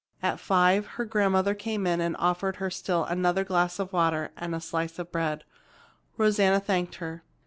At five her grandmother came in and offered her still another glass of water and slice of bread. Rosanna thanked her.